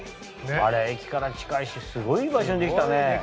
あれ駅から近いしすごい場所に出来たね。